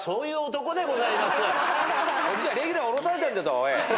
こっちはレギュラー降ろされてるんだぞおい。